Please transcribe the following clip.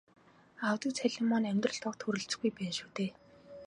Авдаг цалин маань амьдралд огт хүрэлцэхгүй байна шүү дээ.